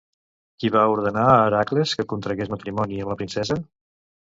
Qui va ordenar a Hèracles que contragués matrimoni amb la princesa?